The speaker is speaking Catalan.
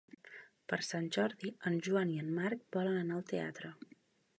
Per Sant Jordi en Joan i en Marc volen anar al teatre.